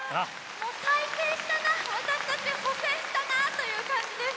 再生したな私たちは蘇生したなという感じです。